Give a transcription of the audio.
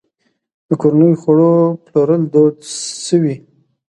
د کورنیو خوړو پلورل دود شوي؟